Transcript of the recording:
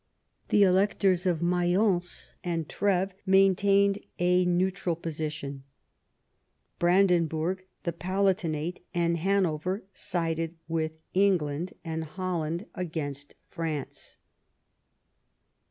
The electors of Mayence and Treves maintained a neutral position, Brandenburg, the Pala tinate, and Hanover sided with England and Hol land against France.